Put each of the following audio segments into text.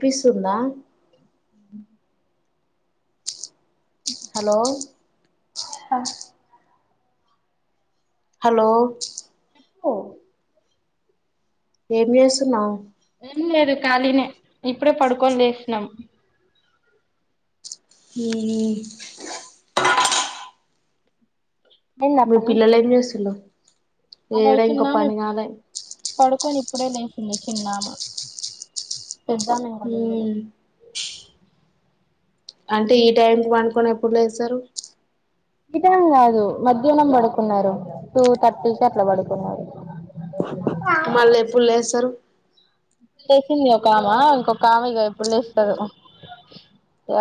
పీసు ఉందా అ హలో ఆ హలో ఓ ఏం చేస్తున్నావు లేదు ఖాళీనే ఇప్పుడే పడుకొని లెసినం హ హా అయిందా మీ పని పిల్లల ఎం చేస్తుండ్రు అగో ఏడ ఈ ఇం కొప్పని కాల కప్పుడే నసిందికిన్నాము పెద్దమే [unintelligible] మ్మ్ అంటే ఈ టైంకి పంకొని ఎప్పుడు లే వస్తారు ఇతం కాదు మధ్యాహ్నం పడుకున్నారు టూ థర్టీకి అట్లా పడుకున్నారు మళ్ళీ ఎ పళ వస్తారు ఇ లేసింది ఒక ఆమె ఇంకొక ఆమె ఇక ఎప్పుడు లేస్తారు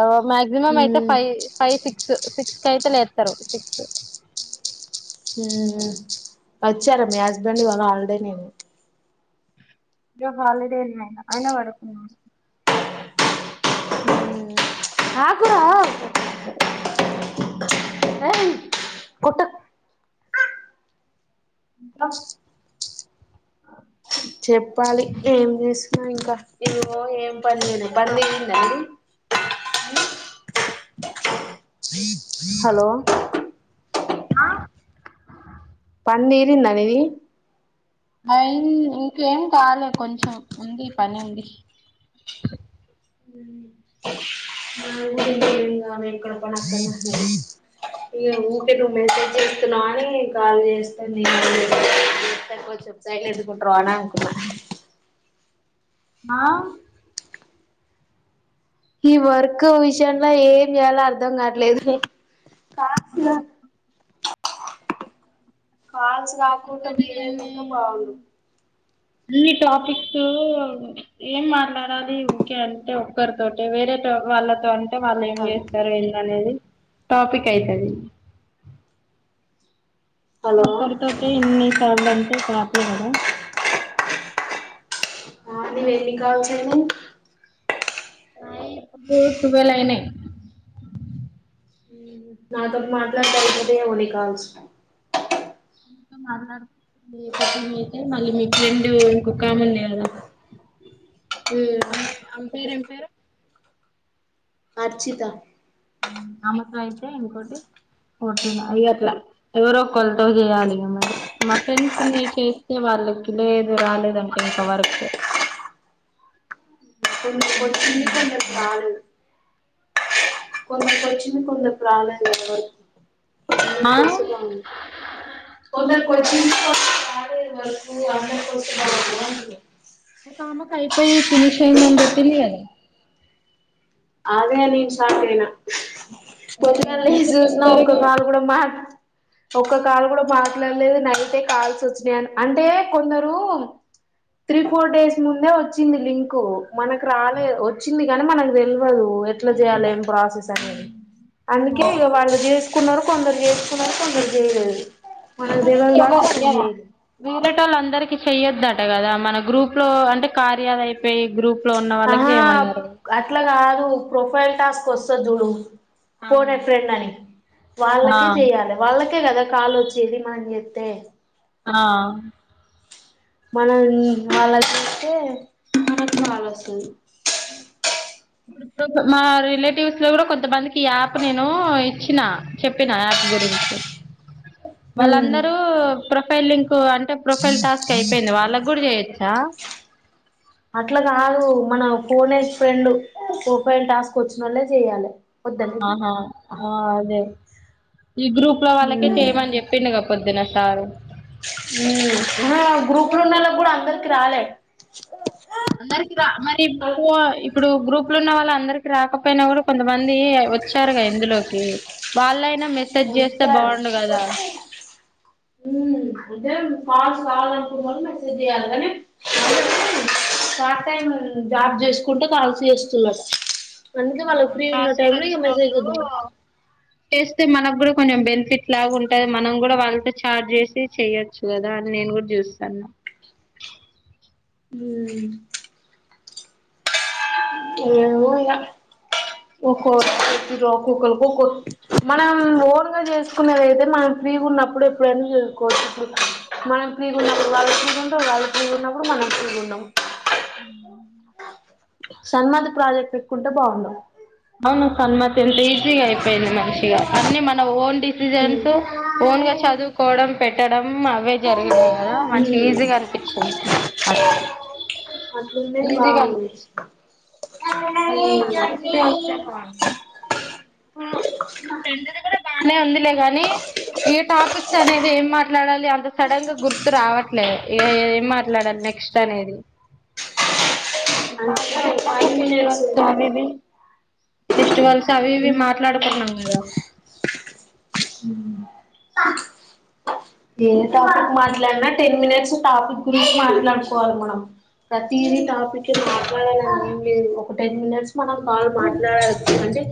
ఎవ మాక్సిమం అయితే మ్మ్ ఫైవ్ ఫైవ్ సిక్స్ సిక్స్ క అయితే లేస్తరు సిక్స్ హ వచ్చారా మీ హస్బెండ్ ఇవాళ ఆలడే నేను హాలిడేలు అయనా అయినా పడకు హకురావ అ కొట్ట చెప్పాలి ఏం చేసి ఇ ఇంకా ఇను ఏం పందే బందే నండి హలో ఆ పండీరిందనేది అయి ఇంకేం కావాలి కొంచెం ఉంది పని ఉంది ఇక్కడ కూడాక్క ఇ ఊకే నువ్వు మెసేజ్ చేస్తున్నావు అని కాల్ చేస్తాబ్సైట్ ఎదుకుంట్ర అని అనుకున్నాను ఆ ఈ వర్క్ విషయంలో ఏమి ఎాల అర్ధం కాట్లేదు టాస్క్లో కాల్స్ కాకుంట క్రికెట్ వీలేదింట ఎన్ని బాగు అన్ని టాపిక్స్ ఏం మాట్లాడాలి ఓకే అంటే ఒక్కరితోటే వేరేతో వాళ్ళతో అం వాళ్ళు ఏం చేస్తారు ఏంద అనేది టాపిక్ అయితద హలో ఒక్కరితోట ఎన్నిసార్లు అంటే కాపలే కదా ఆ అది వెళ కావసంది తవలయినా నాతో మాట్లాడ ఉదే ఉని కాల్స్ ఇంకా మాట్లాడుందిటి అయితే మళ్ళీ మీ ఫ్రెండ్ ఇంకొ కాముంది కదా హ అమ్మాయి ఆమె పేరు ఎం పేరు అర్చిత ఉమ్ అమతో అయితే ఇంకోటి కొట్టిన ఇగ అట్లా ఎవరో ఒకళతో చేయాలి ఇంగ మరి మా ఫ్రెండ్స్ ని చేస్తే వాళ్ళకి లేదు రాలేదంట ఇంక వర్క్ కొందరికి వచ్చింది కొందరికి రాలేదు కొందరికి వచ్చింది కొందరికి రాలే కదా వర్క్ ఆ అందరికి వస్తె బాగుండు కొందర్ అందరికి వస్తే బాగుండు అంటున్న ఒక ఆమకి అయిపోయి ఫినిష్ అయిందని పెట్టింది కదా అదే నేను షాక్ అయినా పొద్దుగాల లేచి అంత చూసిన ఒక్క తొందరగా కాలు కూడా మాట్ ఒక కాల్ కూడా మాట్లాడలేదు నైటె కాల్స్ వచ్చినాయి అంటే కొందరు త్రీ ఫోర్ డేస్ ముందే వచ్చింది లింక్ మనకు రాలే వచ్చింది కానీ మనకు తెల్ ల్వదు ఎట్ల చేయాలి ఏం ప్రాసెస్ అనేది అందుకే ఇగ వాళ్ళు చేసుకున్నారు కొందరు చేసుకున్నారు కొందరు జేయ్లేదు అనీ ఎవరి [unintelligible] ఊర్లోటోల్లందరికీ అందరికి చెయ్యొద్దట కదా మన గ్రూప్ లో అంటే కార్య అయిపోయి గ్రూప్ లో ఉన్న వాళ్ళకి ఆహా చేయమన్నారు అట్లా కాదు ప్రొఫైల్ టాస్క్ వస్ స్తదిచూడు పోన్ ఎ అవును ఫ్రెండ్ అని ఆ వాళ్ళకే చెయాలి వాళ్ళకే కదా కాల్ వచ్చేది మనం చేస్ తె ఆ మనం అల్లాకిచేస్తే మనకు కాల్ వస్తుంది ఇప్పుడిప్పుడు మా రిలేటివ్స్ లో కూడా కొంతమందికి ఈ యాప్ నేను ఇచ్చిన చెప్పిన యాప్ గురించి ఉమ్ వాళ్ళందరూ ప్రొఫైల్ లింక్ అంటే ప్రొఫైల్ టాస్క్ అయిపోయింది వాళ్ళకి కూడా చేయచ్చా అట్ల కాదు మన ఫోన్ ఏ ఫ్రెండ్ ప్రొఫైల్ టాస్క్ ఒచ్చినోల్లే చెయాలె ఆహా ఆ అదే ఈ గ్రూప్ లో వాళ్ళకే ఉమ్ చేయమని చెప్పిండు గా పొద్దున సారు అహా గ్రూపు లో ఉన్నోళ్లకి కూడా అందరికి రాలే అందరికి రా మరి ఇపో-ఇప్పుడు గ్రూప్ లోపులున్న వాళ్ళు అందరికి రాకపోయినా కూడా కొంతమంది వచ్చారుగా ఇందులోకి వాళ్ళయినా ఉమ్ అదే కాల్స్ రావాలనుకునోళ్ళు మెసేజ్ చేయాలి కనె పార్ట్ టైం జాబ్ చేసుకుంట కాల్స్ చేస్తున్నాడు అందుకె వాళ్ళకి ఫ్రీ ఉన్న టాస్క్ టైమ్ లో ఇ వచ్చిన మెసేజ్ చేద్దాం వాళ్ళు చేస్తే మనకు కూడా కొంచెం బెనిఫిట్ లాగా ఉంటది మనం కూడా వాళ్ళతో చాట్ చేసి చెయొచ్చు కదా అని నేను కూడా చూస్తాన్న ఉమ్ ఏమో ఇగ ఒక్కొ ఒక్కొక్కరు [unintelligible] మనం ఓన్గా చేసుకునేదైతే మనం ఫ్రీగా ఉన్నప్పుడు ఎప్పుడైనా చేసుకోవచ్చు ఇపుడు మనం ఫ్రీ గా ఉన్నప్పుడు వాళ్లు ఫ్రీగా ఉండరు వాళ్లు ఫ్రీగా ఉన్నప్పుడు మనం ఫ్రీగా ఉండం ఉమ్ సన్మతి ప్రాజెక్ట్ లెక్కుంటే బాగుండు అవును సన్మతి ఎంత ఈజీగా అయిపోయింది మంచిగా అన్ని మన ఓన్ డిసిజన్స్ ఓన్ గా హ్మ్ చదువుకోవడం పెట్ అవే జరిగినాయి కదా మంచి ఈజీగా అనిపించింది అట్లున్నే బాగుంది మళ్ళీ ఫ్రె కూడా నే ఉందిలే గానీ ఏ టాపిక్స్ అనేది ఏం మాట్లాడాలి అంత సడన్ గా గుర్తు రావట్లే ఏం మాట్లాడాలి నెక్స్ట్ అనేది అంటే ఫైవ్ [inaudible] మినిట్స్ స్మిది ఫెస్టివల్స్ అవివి మాట్లాడుకున్నాం కదా ఏ టాపిక్ మాట్లాడినా టెన్ మినిట్స్ టాపిక్ గురించి మాట్లాడుకోవాలి మనం ప్రతి టాపిక్ మాట్లాడాల ఒక టెన్ మినిట్స్ మనం కాల్ మాట్లాడు అంటే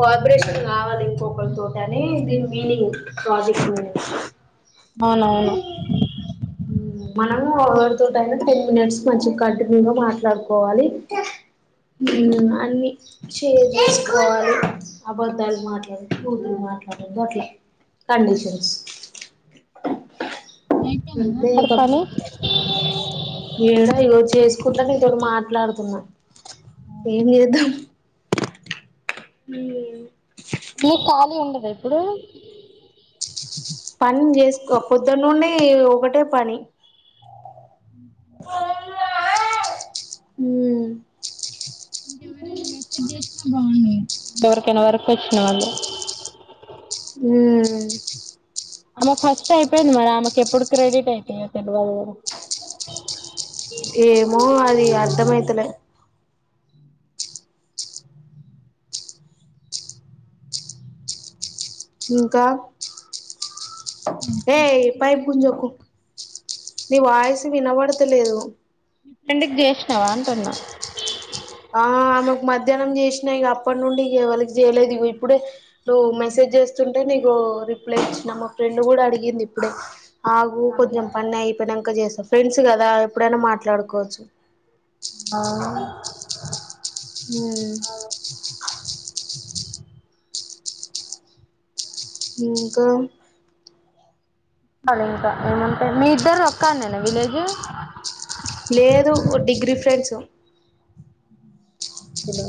కోఆబరేషన్ కావాలి ఇంకొకరి తోటి అని దీని మీనింగ్ ప్రాజిక్ట్ మీనింగ్ అవునవును మనము ఎవరితో టి టయినా టెన్ మినిట్స్ మంచిగా కంటిన్యూగా మాట్లాడుకోవాలి అన్ని చేసుకోవాలి అబధాలు మాట్లాడకూడదు బూతులు మాట్లాడకూడదు అట్లా కండిషన్స్ అంతే ఇక నేడ ఈరోజు చేసుకుంటా నీతోటి మాట్లాడుతున్నా ఏం లేదు హ మీ ఖాళీ ఉండదా ఇప్పుడు పని చేసుకో పొద్దున్న నుండి ఒకటే పని ఆ ఇంకెవరైనా మెసట్ చేసినా బాగుండ ఇంతవరకు వరకు వచ్చన్నా హ ఆమె ఫస్ట్ అయిపోయింది మేడం మాకు ఎప్పుడు క్రెడిట్ అయితాయో తెలువదు ఏమో అది అ అర్ధం అయితలే ఇంకా హుహు ఏయ్ పైప్ గుంజకు నీ వాయిస్ వినబడతలేదు మీ ఫ్రెండ్ కి చేసినావా అంటున్నా ఆ ఆమెకు మధ్యాహ్నం చేసినా ఇగ అప్పటి నుండి ఇగ ఎవ్వలకు చేయలేదు ఇగో ఇప్పుడే నువ్వు మెసేజ్ చేస్తుంటే నీకు రిప్లై ఇచ్చిన మా ఫ్రెండ్ కూడా అడిగింది ఇప్పుడే అగు కొంచెం పని అయిపోయినాక ఇంకా చేస్తాం ఫ్రెండ్స్ కదా ఎప్పుడైనా మాట్లాడుకోవచ్చు ఆ హ్మ్ ఇంకా చెప్పాలే ఇంకా ఏమంటే మీ ఇద్దరు ఒక్కకాన్నేనా విలేజ్ లేదు డిగ్రీ ఫ్రెండ్స్ హలో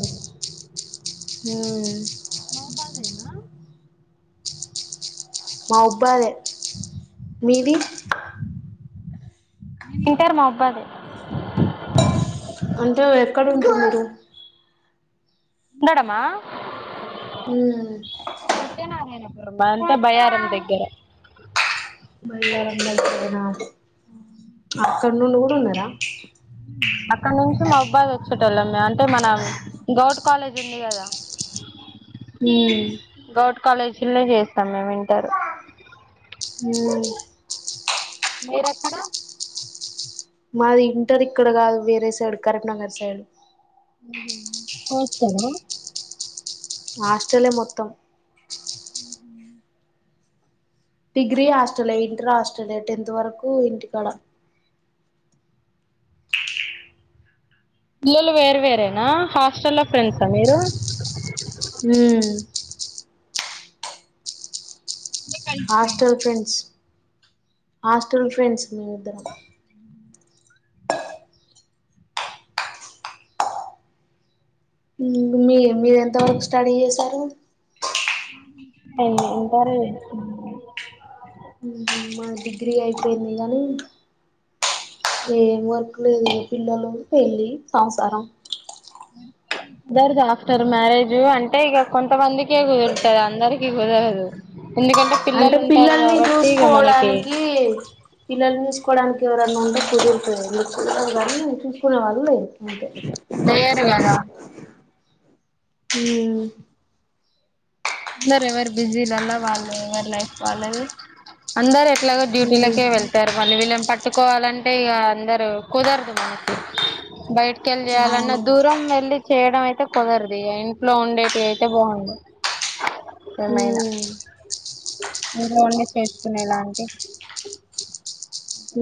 ఆ మహుబాద్ ఏనా మహుబాదే మీది నేను ఇంటర్ మహుబాద్ ఏ అంటే ఎక్కడ ఉంటారు మీరు ఉండడమా హ్మ్ సత్యనారాయణపురం అంటే బయ్యరం దగ్గర బయ్యారం దగ్గర నా [unintelligible] ఇక్కడ నుండి కూడా ఉన్నారా అక్కడ నుంచి మహుబాద్ వచ్చేటోల్లంగా అంటే మనం గౌట్ కాలేజ్ ఉంది కదా హ్మ్ కాలేజీల్లే చేస్తాం మేము ఇంటర్ ఉ మీరు ఎక్కడ మాది ఇంటర్ ఇక్కడ కాదు వేరే సైడ్ కరీంనగర్ సైడ్ హాస్టలా హాస్టల్ యే మొత్తం ఉహు డిగ్రీ హాస్టల్ ఏ ఇంటర్ హాస్టల్ ఏ టెన్త్ వరకు ఇంటికాడ మీ వోల్లు వేరు వేరేనా హాస్టల్లా ఫ్రెండ్స్ ఆ మీరు హు హాస్టల్ ఫ్రెండ్స్ హాస్టల్ ఫ్రెండ్స్ మేము ఇద్దరం హ్ మీ మీరు ఎంత వరకు స్టడీ చేసారు ఏం కరే దే హ్మ్ మా డిగ్రీ అయిపోయింది గానీ ఏం వర్క్ లేదు పిల్లలు పెళ్ళి సంసారం దర్ ద ఆఫ్టర్ మ్యారేజ్ అంటే ఇగ కొంతమందికే కుదురుతాది అందరికి కుదరదు ఎందుకంటే అంటే పిల్లలు ఉంటారు పిల్లల్ని కాబట్టి ఇక మనకి చూసుకోవడానికి పిల్లల్ని చూసుకోవడానికి ఎవరన్నా ఉంటే కుదురుతది మీరు చూస్తారు కానీ చూసి కున్న వాళ్ళు లేరు అంతే తాయారు గాదా ఊ అందరు ఎవరు బిజీ లల్ల వాళ్ళు ఎవరు లైఫ్ వాళ్ళ దే అందరు ఏ ఎట్లాగో హ్మ్ డ్యూటీలకే వెళ్తారు మళ్ళీ వీళ్ళని పట్టు కొట్టుకోవాలంటే ఇగ అందరు కుదరదు మనకి బయట కెల్ చేయాలన్నా అవును దూరం వెళ్లి చేయడం అయితే కుదరది ఆ ఇంట్లో ఉండేటి అయితే బాగుండు ఉ ఏమైనా ఇంట్లో ఉండి చేసుకునేలాంటి ఊ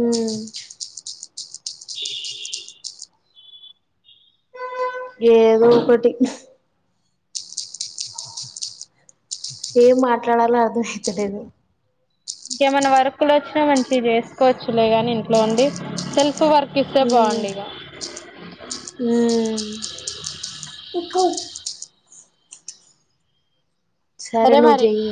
ఏదో ఒకటి ఏం మాట్లాడాలో అర్థ హించలేదు ఇంకేమైనా వర్క్ లు వచ్చినా మంచి చేసుకోవచ్చులే గాని ఇంట్లో ఉండి సెల్ఫ్ వర్క్ ఇస్తే ఊ బాగుండు ఇక ఊ ఇక్కొ సరే నువు జేయ్యి